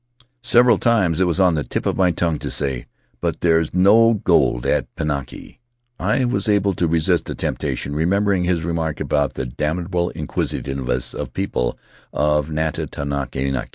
Several times it was on the tip of my tongue to sav, "But there's no gold at Pinaki." I was able Anchored off the Reef to resist the temptation, remembering his remark about the damnable inquisitiveness of the people of Nukata vake.